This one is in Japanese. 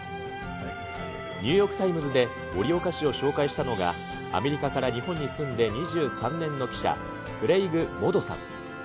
ニューヨークタイムズで盛岡市を紹介したのが、アメリカから日本に住んで２３年の記者、クレイグ・モドさん。